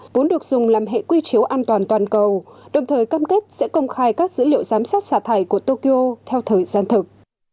vốn được dùng làm hệ quy chiếu an toàn toàn cầu đồng thời cam kết sẽ công khai các dữ liệu giám sát xả thải của tokyo theo thời gian thực